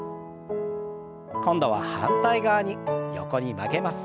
今度は反対側に横に曲げます。